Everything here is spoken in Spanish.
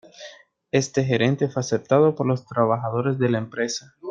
Este gerente fue aceptado por los trabajadores de la empresa.